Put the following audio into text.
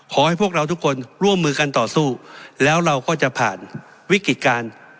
ขอให้พวกเราทุกคนร่วมมือกันต่อสู้แล้วเราก็จะผ่านวิกฤติการ